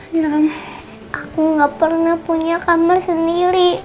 saya gak pernah punya kamar sendiri